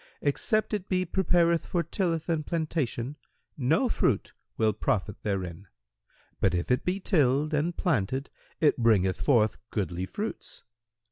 Except it be prepared for tilth and plantation no fruit will profit therein; but, if it be tilled and planted, it bringeth forth goodly fruits.